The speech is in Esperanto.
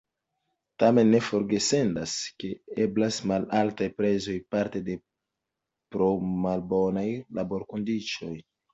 Tamen ne forgesendas, ke eblas malaltaj prezoj parte pro malbonaj laborkondiĉoj.